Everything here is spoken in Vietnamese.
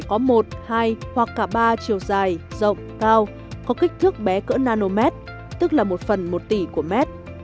có thể có một hai hoặc cả ba chiều dài rộng cao có kích thước bé cỡ nanomet tức là một phần một tỷ của mét